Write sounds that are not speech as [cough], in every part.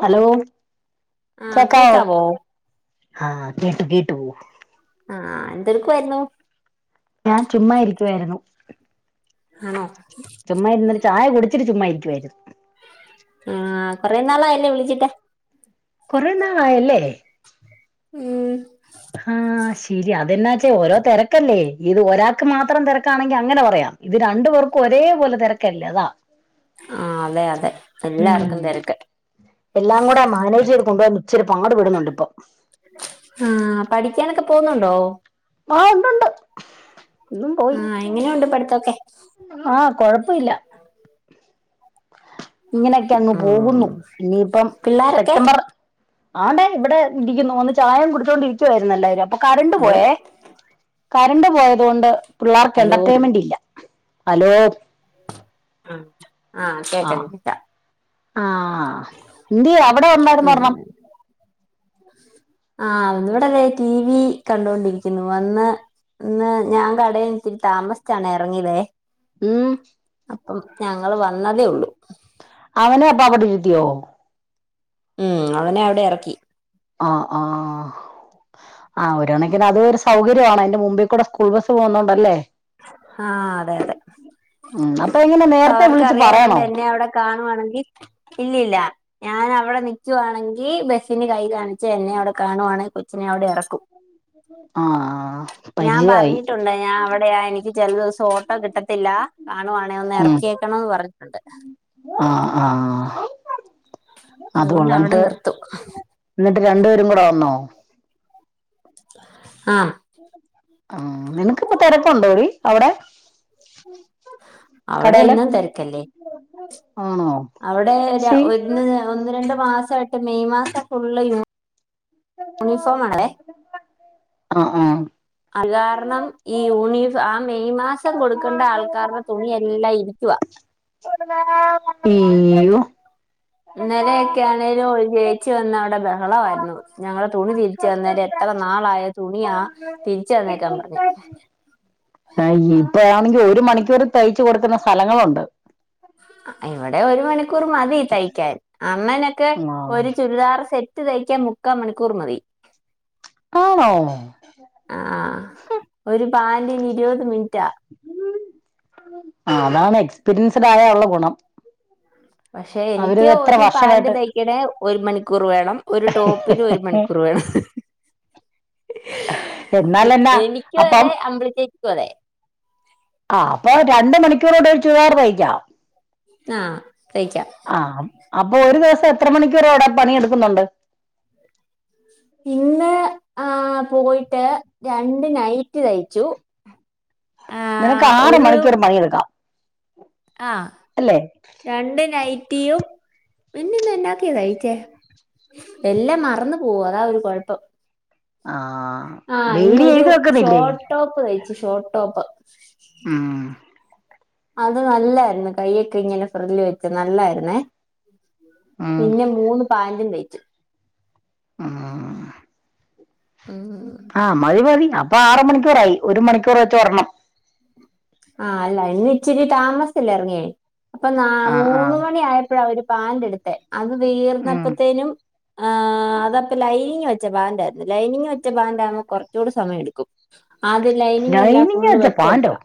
Hello ആ കേക്കവോ കേക്കാവോ ആ കേട്ടു കേട്ടു ആ എന്തെടുക്കുവായിരുന്നു ഞാൻ ചുമ്മ ഇരിക്കുവായിരുന്നു ആണോ ചുമ്മ ഇരുന്നൊരു ചായ കുടിച്ച ഒത്തിരി ചുമ്മായിരിക്കുവായിരുന്നു കുറെ നാളായില്ലേ വിളിച്ചിട്ട് കൊറെ നാളായല്ലേ ഉം ആ ശരി അതെന്നാച്ചെ ഓരോ തിരക്കല്ലേ ഇത് ഒരാൾക്ക് മാത്രം തിരക്കാണെങ്കി അങ്ങനെ പറയാം ഇത് രണ്ടു പേർക്കും ഒരേ പോലെ ക്കല്ലെ അതാ ആ അതെ അതെ എല്ലാർക്കും ഉം തിരക്ക് എല്ലാം കൂടെ മാനേജ് ചെയ്ത് കൊണ്ടുപോവാൻ ഇച്ചിരി പാടുപെടുന്നുണ്ട് ഇപ്പൊ ആ പഠിക്കാനൊക്കെ പോന്നുണ്ടോ ആ ഒണ്ടുണ്ട് ഇന്നും പോയി ആ എങ്ങനെയുണ്ട് പഠിത്തൊക്കെ ആ കൊഴപ്പില്ല ഇങ്ങനെയൊക്കെ അങ്ങ് ഉം പോകുന്നു ഇനിയിപ്പം പിള്ളാരൊക്കെ സെപ്റ്റംബർ ആടെ ഇവിടെ ഇരിക്കുന്നു ഒന്ന് ചായേം കൊടുത്തോണ്ടിരിക്കുവായിരുന്നു എല്ലാവരും അപ്പൊ കറണ്ട് ഹലോ പോയേ കരണ്ട് പോയതൊണ്ട് പിള്ളേർക്ക് ഹലോ എന്റർടൈൻമെന്റ ഇല്ല ഹലോ ആ കേക്ക കേക്കാം ആ എന്തിയേ അവിടെ [unintelligible] ഉം വറണം ആ ഇവിടെല്ലേ ടി വി കണ്ടുകൊണ്ടിരിക്കുന്നു വന്ന് ഇന്ന് ഞാൻ കടയിൽ ഇത്തിരി താമസിച്ചാണെ ഇറങ്ങിയതേ ഉം അപ്പം ഞങ്ങള് വന്നതേ ഉള്ളൂ അവനെ അപ്പ അവിടെരുത്തിയോ ഉം അവനെ അവിടെ ഇറക്കി ആ ആ ആ ഒരുണക്കിന് അത് ഒരു സൗകര്യമാണ് അതിൻ്റെ മുമ്പിക്കൂടെ സ്കൂൾ ബ ആ അതെ അതെ ഉം എങ്ങനെ അപ്പൊ നേരത്തെ അവർക്ക് വിളിച്ച് അറിയാന്നൊണ്ട് പറയണോ എന്നെ അവിടെ കാണുവാണെങ്കി ഇല്ലില്ല ഞൻ അവിടെ നിക്കുവാണെങ്കി ബസ്സിന് കൈ കാണിച്ച് എന്നെ അവിടെ കാണുവാണെങ്കി കൊച്ചിനെ അവിടെ ഇറക്കും ആഹ് ഞാൻ പരിചയായി പറഞ്ഞിട്ടുണ്ട് ഞാൻ അവിടെയാ എനിക്ക് ചില ദിവസം ഓട്ടോ കിട്ടത്തില്ല കാണുവാണേന്ന് ഇറക്ക കേക്കണംന്ന് പറഞ്ഞിട്ടുണ്ട് ആ ആ അത്കൊണ്ട് അവടെ നിർത്തും എന്നിട്ട് രണ്ടുപേരും കൂടെ വന്നോ ആ ആ നിനക്ക്പ്പ തെരക്കുണ്ടോടി അവടെ അവടെ എന്നും തെരക്കല്ലേ ആണോ അവിടെ സി ഒന്ന് ഒന്ന് രണ്ട് മാസായിട്ട മെയ് മാസം ഫുള്ള് യൂ യൂണിഫോം ആണല്ലേ ആ ആ രണം ഈ യൂണിഫാം ആ മെയ് മാസ രം കൊടുക്കേണ്ട ആൾക്കാരുടെ തുണിയെല്ലാം ഇരിക്കുവാ ഇയ്യോ ഇന്നലെയൊക്കെ ആണേലും ഒരു ചേച്ചി വന്ന അവിടെ ബഹളയിരുന്നു ഞങ്ങളുടെ തുണി തിരിച്ച് തന്നേരെ എത്ര നാളായാ തുണിയാ തിരിച്ച് തന്നേക്കാൻ പറഞ്ഞു. ഇപ്പഴാണെങ്കി ഒരു മണിക്കൂർ തയ്ച്ച് കൊടുക്കുന്ന സ്ഥലങ്ങളുണ്ട്. ഇവിടെ ഒരു മണി കൂർ മതി തയ്ക്കാൻ അമ്മേനൊക്കെ ആ ഒരു ചുരിദാർ സെറ്റ് ത്ത് തയ്ക്കാൻ മുക്കാൽ മണിക്കൂർ മതി. ആണോ ആഹ് ഹും ഒരു പാന്റിനു ഇരുപത് മിനിറ്റാ തായ ഒള്ള ഗുണം പക്ഷെ അവര് എനിക്ക് എത്ര ഒരു പാന്റ് വർഷമായിട്ട് തയ്ക്കണേ ഒരു മണിക്കൂർ വേണം ഒരു ടോപ്പിന് ഒരു മണിക്കൂർ വേണം എന്നാലെന്നാ എനിക്കും അപ്പം അതെ അമ്പിളി ചേച്ചി ക്കും അതെ ആ അപ്പൊ രണ്ടു മണിക്കൂറുകൊണ്ട് ഒരു ചുരിദാർ തയ്ക്കാം. ആ തയ് ആ അപ്പൊ ഒരു ദിവസം എത്ര മണിക്കൂർ അവിടെ പണിയെടുക്കുന്നുണ്ട്? പിന്നെ? ആ പോയിട്ട് രണ്ട് നൈറ്റി തയ്ച്ചു. ആ, നിനക്ക് ആറ് ഒരു മണിക്കൂർ പണി എടുക്കാം. ആ രണ്ട് നൈറ്റിയും പിന്നെ ഇന്ന് എന്നാക്കയ തയിച്ചേ? എല്ലാം മറന്നു പോവുവ അതാ ഒരു കൊഴപ്പം. ആ ആ ഡെയിലി ഇന്നൊരു എഴുതി വെക്കുന്നില്ലേ ഷോട്ടോപ് തയ്ച്ചു ഷോട്ടോപ്. ഉം അത് നല്ലായിരുന്നു കയ്യൊക്കെ ഇങ്ങനെ ഫ്രല്ല് വെച്ചേ നല്ലായിരുന്നേ. ഉം പിന്നെ മൂന്ന് പാന്റും തയ് ആ [unintelligible] ആ മതി മതി അപ്പൊ ആറു മണിക്കൂറായി ഒരു മണിക്കൂർ വെച്ച് ഒരണ്ണം. ആ അല്ല ഇന്ന് ഇച്ചിരി താമസി ചല്ലിയോ ഇറങ്ങിയേ? അപ്പൊ ആ ആ മൂന്ന മണി ആയപ്പോഴഒരു പാന്റ് എടുത്ത അത് ഉം തിർന്നപ്പത്തേനും ആ അതപ്പ ലൈനിങ് വെച്ച പാന്റ് ആയിരുന്നു ലൈനിങ് വെച്ച പാന്റ് ആകുമ്പോൾ കുറച്ചുകൂടി സമയം എടുക്കും. അത് ലൈനിങ് എല്ലാം ഫുള്ളു വെച്ച വെച്ച് പാന്റോ അടിക്കണം.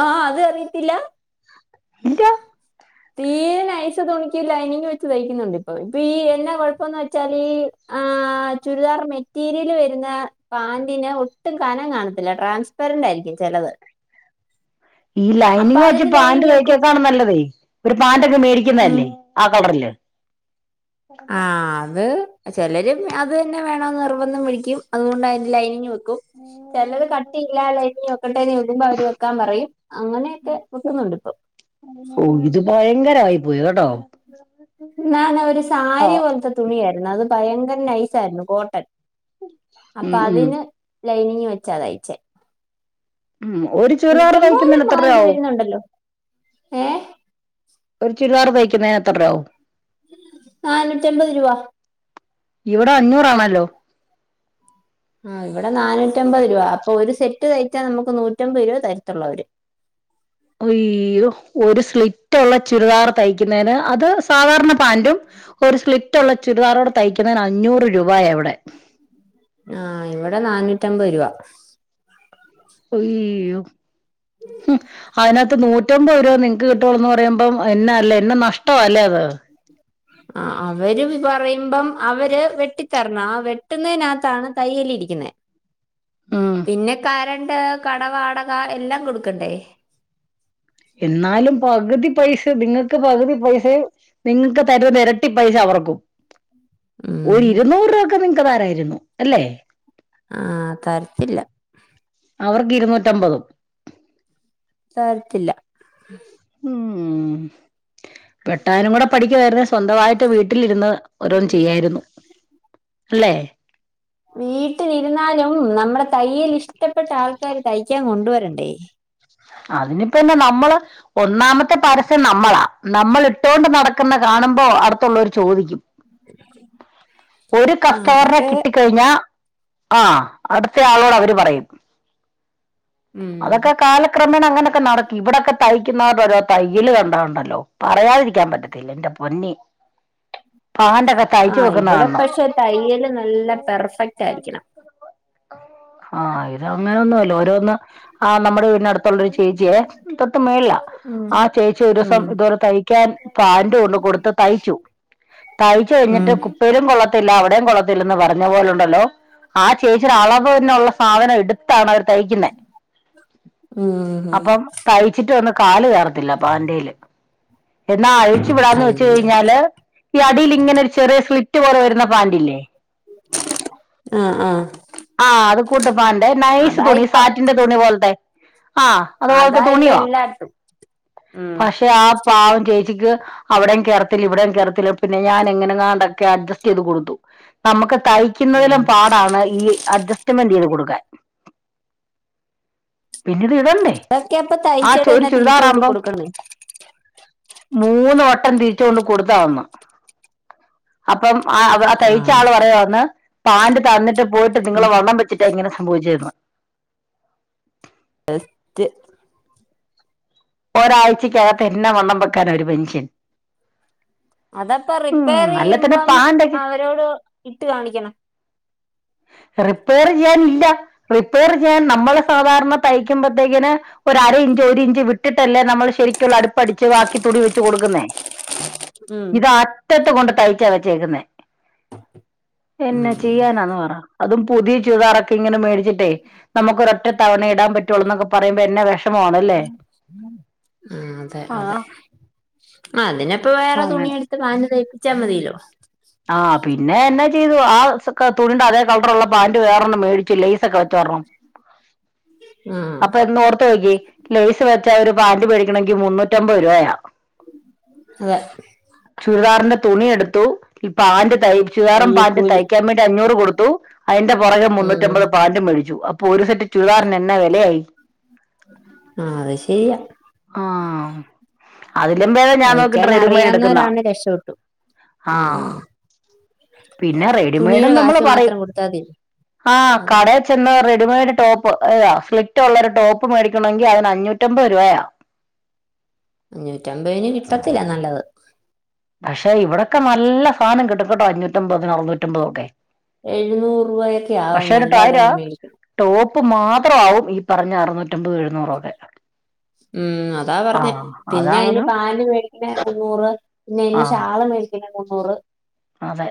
ആ. അത് അറിയത്തില്ല. ഇല്ല തീ നൈസ് തുണി ലൈനിങ് വെച്ച് തയ്ക്കുന്നുണ്ട് ഇപ്പൊ എന്ന കുയപ്പ പ്പം ന്ന് വെച്ചാല് ആ ചുരിദാർ മെറ്റീരിയൽ വരുന്ന പാന്റിെന് ഒട്ടും കനം കാണത്തില്ല ട്രാൻസ്പറന്റ് ആയിരിക്കും ചെലവ് ഈ ലൈനിങ് വെച്ച് പാന്റ് തൈ ക്കാത്ത നല്ലതേ ഒരു പാന്റ്ക്കെ ഉം മേടിക്കുന്നല്ലേ നല്ലത് ആ കളരില് ആ [unintelligible] ചിലരും അത് തന്നെ വേണമ നിർബന്ധം പിടിക്കും അതുകൊണ്ട് അതിന്റെ ലൈനിങ് വക്കും ചിലര് കട്ടിയില്ലാ ലൈനിങ് വെക്കണ്ടേ ന്ന് ചോദിക്കുമ്പോൾ അവര് വെക്കാൻ പറയും അങ്ങനെയൊക്കെ വെക്കുന്നുണ്ട് ഇപ്പൊ ഓ ഇത് ഭയങ്കരമായി പോയി കേട്ടോ നന്നാ ഒരു ആ സാരി പോലത്തെ തുണിയായിരുന്നു അത് ഭയങ്കര നൈസ് ആയിരുന്നു കോട്ടൺ ഉം അപ്പൊ ഉം അതിന് ലൈനിങ് വെച്ചാ തയ്ച്ചേ ഉം ഒരു ചുരിദാർ തയ്ക്കുന്നതിന് എത്ര രൂപയാവും ഏ ഒരു ചുരിദാർ തൈ ക്കുന്നതിന് എത്രാരൂബയാ വും നാനൂറ്റി അമ്പത് രൂപ ഇവിടെ അഞ്ഞൂറാണല്ലോ ആ ഇവിടെ നാനൂറ്റമ്പത് രൂപ അപ്പൊ ഒരു സെറ്റ് തയ്ച്ചാ നമുക്ക് നൂറ്റമ്പത് രൂപ തരത്തുള്ളൂ അവര് അയ്യോ ഒരു സ്ലി ത്തുള്ള ചുരിദാർ തയ്ക്കുന്നതിന് അത് സാധാരണ പാന്റും ഒരു സ്ലിപ്പ റ്റുള്ള ചുരിദാറോട് തയ്ക്കുന്നതിന് അഞ്ഞൂറ് രൂപയ അവിടെ ആഹ ഇവിടെ നന്നൂറ്റമ്പത് രൂപ അയ്യോ അതിനകത്ത് നൂറ്റി - നൂറ്റാത്തമ്പതു നിങ്ങക്ക് കിട്ടുള്ളൂന്ന് പറയുമ്പം എന്ന അല്ലെ എന്ന നഷ്ടം അല്ലേ അത് ആ അവര് പറയുമ്പം അവര് വെട്ടിത്തരണം ആ വെട്ടുന്നതിനകത്താണ് തയ്യല് ഇരിക്കുന്നത് ഉം പിന്നെ കാരൺ കട വടക എല്ലാം കൊടുക്കണ്ടേ എന്നാലും പകുതി പൈസ നിങ്ങൾക്ക് പകുതി പൈസയും നിങ്ങക്ക് തരുന്നത് എരട്ടി പൈസ അവർക്കും ഉം ഒരു ഇരുന്നൂറ് രൂപ നിക്ക് താരായിരുന്നു അല്ലെ ആഹ് തരത്തില്ല അവർക്ക് ഇരുന്നൂറ്റമ്പതും തരത്തില്ല ഉം വെട്ടാനും കൂടെ പഠിക്ക് [unintelligible] സ്വന്തമായിട്ട് വീട്ടിൽ ഇട്ട് ന്ന് ഓരോന്ന്‌ ചെയ്യായിരുന്നു അല്ലേ വീട്ടിലിരുന്നാലും നമ്മുടെ തയ്യൽ ഇഷ്ടപ്പെട്ട ആൾക്കാര് തയ്ക്കാൻ കൊണ്ട് കൊണ്ട് വരണ്ടേ? അതിനിപ്പ എന്നാ നമ്മള് ഒന്നാമത്തെ പരസ്യം നമ്മളാ നമ്മൾ ഇട്ടുകൊണ്ട് നടക്കുന്നത് കാണുമ്പോ അടുത്തുള്ളവര് ചോദിക്കു. ഒരു ആ കസ്റ്റമറിനെ അതൊക്കെ അതെ കിട്ടിക്കഴിഞ്ഞാ ആ അടുത്ത ആളോട് അവര് പറയും ഉം അതൊക്കെ കാലക് ക്രമേണ അങ്ങനൊക്കെ നടക്കും ഇവിടൊക്കെ തയ്ക്കുന്നവരരോ തയ് യ്യലു കണ്ടാലുണ്ടല്ലോ പറയാതിരിക്കാൻ പറ്റത്തില്ല എന്റെ പൊന്നേ ആ ഇവിടെ കാണണം പക്ഷേ തയ്യല് നല്ല പെർഫെക്റ്റ് ആയിരിക്കണം ആഹ് ഇത് അങ്ങനൊന്നുംഅല്ല ഓരോന്ന് ആ നമ്മുടെ വീട് ടിന് അടുത്തുള്ളൊരു ചേച്ചിയെ തൊട്ട് മെളില ഉം ആ ചേച്ചി ഒരു ദിവസം ഉം ഇതുപോലെ തയ്ക്കാൻ പാന്റ് കൊണ്ട് കൊടുത്ത് തയ്ച്ചു തയ്ച്ച് കഴിഞ്ഞിട്ട് ഉം കുപ്പേലും കൊള്ളത്തില്ല അവിടെ യും കൊള്ളത്തില്ലന്ന് പറഞ്ഞ പോലുണ്ടല്ലോ ആ ചേച്ചി അളവിന്നുള്ള സാധനം എടുത്താണ് അവർ തയ്ക്കുന്നെ ഉം അപ്പം തയ്ച്ചിട്ട് വന്ന്‌ കാല് കേറത്തില്ല പാന്റെല് എന്നാ അഴിച്ചു വിടാന്ന് വെച്ച് അയ്യ കഴിഞ്ഞാല് ഈ അടിൽ ഇങ്ങനെ ഒരു ചെറിയ സ്ലിറ്റ് പോലെ വരുന്ന പാന്റില്ലേ. ആ ആ ആ അത് കുട്ടിപ്പാന്റെ നൈസ് തുണി അതായിപ്പം സാറ്റിന്റെ തുണി പോലത്തെ ആ അതുപോലത്തെ അതായിപ്പം തുണിയോ എല്ലായിടത്തും ഉം പക്ഷേ ആ പാവം ചേച്ചി അവിടെയും കേയർത്തില്ല ഇവിടെയും കേയർത്തില്ല പിന്നെ ഞാൻ എങ്ങനെ എങ്ങാണ്ടൊക്കെ അഡ്ജസ്റ്റ് ചെയ്ത് കൊടുത്തു നമുക്ക് ഉം തയ്ക്കുന്നതിലും പാടാണ് ഈ മണ്ടിയതാ കൊടുക്കാൻ പിന്നീട് ഇടണ്ടേ അതൊക്കെ അപ്പൊ ആ ചു- ഒരു തയ്ച്ചതന്നെ തിരിച്ച് കൊണ്ട് ചുരിദാറാകുമ്പം കൊടുക്കന്നെ മൂന്ന് വട്ടം തിരിച്ചു കൊണ്ട് കൊടുത്താ അന്ന് അപ്പം ആ അവള് ആ തയ്ച്ച ആഹ് ആള് പറയാന്ന് പാന്റ് തന്നിട്ട് പോയിട്ട് നിങ്ങള് വണ്ണം വെച്ചിട്ടാ ഇങ്ങനെ [unintelligible] ടെസ്റ്റ് ഒരാഴ്ചക്കകത്ത് എന്നാ വണ്ണം വെക്കാന ഒരു മന്ഷ്യന് അതപ്പൊ റിപ്പേറയ്യുമ്പം പാണ്ടൊക്കെ അവരോടു ഇട്ട് കാണിക്കണം റിപ്പേർ ചെയ്യാനില്ല റിപ്പേർ ചെയ്യാൻ നമ്മള് സാധാരണ തയ്ക്കുമ്പത്തേക്കിന് ഒരു അര ഇഞ്ച് ഒരു ഇഞ്ച് വിട്ടിട്ടല്ലേ നമ്മള് ശരിക്കുള്ള അടുപ്പടിച്ച് ബാക്കി തുടി വെച്ച് കൊടുക്കുന്നേ. ഉം ഇത് അറ്റത്ത് കൊണ്ട് തഴിച്ചാ വച്ചേക്കുന്നെ എന്നാ ഉം ചെയ്യാനാന്ന് പറ അതും പുതിയ ചുരിദാറൊക്കെയി ഇങ്ങനെ മേടിച്ചിട്ടെ നമുക്കൊരു ഒറ്റ തവണ ഇടാൻ പറ്റോള്ളൂ ന്നൊക്കെ പറയുമ്പോ എന്നാ വെഷമവാണല്ലേ ആ ആ അതിനപ്പ വേറെ തുണി എടുത്ത് പാന്റ് തൈക്കും ചമ്മതിലോ ആ പിന്നെ എന്നാ ചെയ്തു ആ തുണിണ്ട അതേ കളറുള്ള പാന്റ് വേറൊന്ന് മേടിച്ചു ലെയ്സ് ഒക്കെ വെ ചേർന്നു ആഹ് അപ്പ എന്ന് ഓർത്ത് നോക്കിയെ ലെയ്സ് വെച്ച ചേരും പാന്റ് മേടിക്കണെങ്കിൽ മുന്നൂറ്റമ്പത് അമ്പരൂപയ അതെ ചുരിദാറിന്റെ തുണിയെടുത്തു ഈ പാന്റും തച്ചുേറ പാട്ടി തയ്യക്കൂലി തയ്ക്കാൻ വേണ്ടി അഞ്ഞൂറ് കൊടുത്ത് ദ അതിന്റെ പുറകെ ഉം മുന്നൂറ്റിമ്പത് പാന്റ് മേിടിച്ചു അപ്പൊ ഒരു സെറ്റ് ചുതാറിന് എന്നാ വിലയായി ആ അത് ശരി ആ അതില്പേ ഞാൻ നോക്കിട്ട് തയ്ക്കാൻ റെഡിമെയഡ് എടുക്കുന്നാ അറിയാവുന്നവരാണ് രക്ഷപ്പെട്ടു ആഹ ഉം പിന്നെ റെഡിമെയഡും തുണിയുടെ നമ്മള് കാശ് പറയും മാത്രം കൊടുത്താതി ആ അതെ കടയൽ ചെന്ന് ഒരുടുമയുടെ ടോപ്പ് ഏാ ഫ്ലിപറ്റ്ള്ള ഒരു ടോപ്പ് മേടിക്കണമെങ്കിൽ അതിന് അഞ്ഞൂറ്റമ്പത് രൂപയാവും ഞ്ഞൂറ്റമ്പതിന് കിട്ടത്തില്ല നല്ലത് പക്ഷെ ഇവിടൊക്കെ നല്ല സാനം കിട്ടും കേട്ടോ അഞൂറ്റമ്പതിന് അറുനൂറ്റമ്പതൊ ഒക്കെ എഴുനൂറുരൂപയൊക്കെ ആവും നല്ലത് മേടിക്കാൻ പ്പ് മാത്രമാവും ഈ പറഞ്ഞ അറുനൂറ്റമ്പതും എഴുനൂറുമൊക്ക ഉം അതാ പറഞ്ഞേ പിന്നെ അയിൻ്റെ അതാണ് പാൻ്റ് മേടിക്കുന്നേന് മുന്നൂറ് പിന്നെ അതിനു ഷാള് മേടിക്കു [unintelligible] മുന്നൂറ് അതേ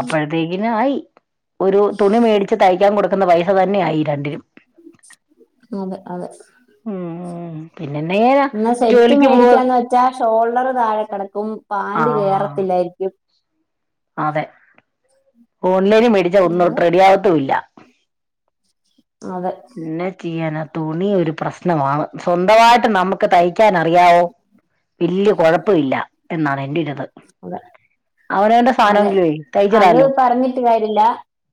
അപ്പഴത്തേക്കിനായി ഒരു തുണി മേടിച്ചു തയ്ക്കാൻ കൊടു [unintelligible] പൈസ തന്നെയാ ഈ രണ്ടിനും [unintelligible] അതെ ഉംഹ് [inaudible] പിന്നെന്നാ ചെയ്യാനാ ജോലിക്ക് പോവാ ഷോൾഡറ് താഴെ കെടക്കും ആ പാൻ്റ് കേറത്തില്ലാരിക്കും അതെ [inaudible] [unintelligible] മേടിച്ചാ ഒന്നുംതത്ര റെഡിയാകത്തൂല്ലാ അതെ എന്നാ ചെയ്യാനാ തുണി ഒരു പ്രശ്നമാണ് സ്വന്തമായിട്ട് നമുക്ക് തയ്ക്കാനറിയാവോ വല്ലിയ കൊഴപ്പമില്ല എന്നാണ് എന്റെ [unintelligible] അതെ അതെ അവനോൻ്റെ സാനമെങ്കിലുമേ തയ്ച്ചിടാല്ലോ ഞ്ഞിട്ട് കാര്യല്ലാ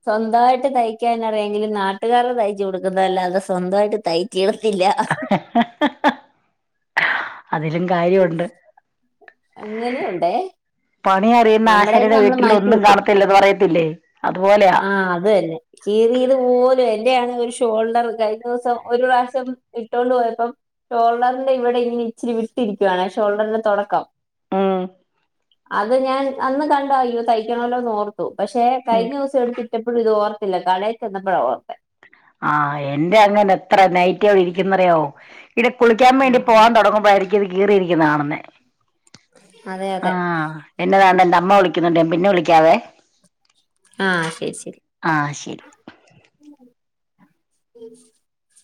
സ്വന്തായിട്ട് തയ്ക്കാനറിയാങ്കിലും നാട്ടുകാരുടെ തയ്ച്ചുകൊടുക്കുന്നല്ലാതെ സ്വന്തമായിട്ട് തയ്ച്ചി [unintelligible] ഹഹഹഹഹഹ അതിലും കാര്യ ഒണ്ട് അങ്ങനെ ഒണ്ടേ ന്നാശാരീടെ വീട്ടിൽ ഒന്നും കാണത്തില്ലന്ന് പറയത്തില്ലേ അതുപോലെയാ ആ അത് തന്നെ കീറിയത് പോലും [unintelligible] ൻ്റെയാണെ ഒരു ഷോൾഡറ് കഴിഞ്ഞ ദിവസം ഒരു പ്രാവശ്യം ഇട്ടോണ്ട് പോയപ്പം ഷോൾഡറിൻ്റെ ഇവിടെ ങ്ങനെ ഇച്ചിരി വിട്ടിരിക്കുവാണെ ഷോൾഡറിൻ്റെ തൊടക്കം ആ അത് ഞാൻ അന്ന് കണ്ടയ്യോ തയ്ക്കണോല്ലോന്നോർത്തു പക്ഷെ ഉം. കഴിഞ്ഞ ദിവസ ചതിറ്റപ്പോഴും ഇത് ഓർത്തില്ല കടയിൽ ചെന്നപ്പോഴ ഓർത്ത ആഹ് എന്റെ അങ്ങനെ എത്ര നൈ റ്റിയാ ഇരിക്കുന്നറിയാവോ ഇടെ കുളിക്കാൻ വേണ്ടി ആഹ് പോവാൻ തുടങ്ങുമ്പോയിരിക്കും കീറിയിരിക്കുന്നത് കാണുന്നെ അതെ അതെ ആഹ് എന്നതാണ്ടെ അമ്മ വിളിക്കുന്നുണ്ടേ പിന്നെ വിളിക്കാവേ ആഹ് ശരി ശരി ആ ശരി ഉം